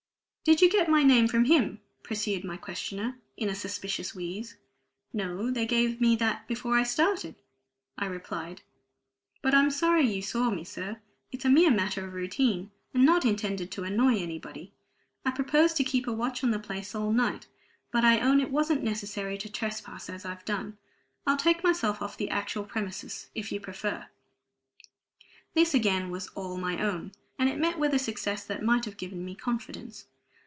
"Did you get my name from him?" pursued my questioner, in a suspicious wheeze. "No; they gave me that before I started," I replied. "But I'm sorry you saw me, sir; it's a mere matter of routine, and not intended to annoy anybody. I propose to keep a watch on the place all night, but I own it wasn't necessary to trespass as I've done. I'll take myself off the actual premises, if you prefer it." This again was all my own; and it met with a success that might have given me confidence.